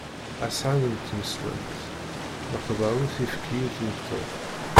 Asɣan n tneslemt leqder ur t-yefki i tmeṭṭut.